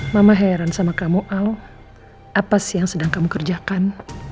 mama heran sama kamu al apa sih yang sedang kamu kerjakan